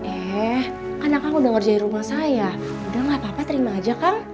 eh kan akang udah ngerjain rumah saya udah nggak apa apa terima aja kang